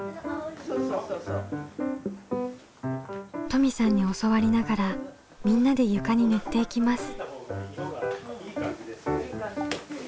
登美さんに教わりながらみんなで床に塗っていきます。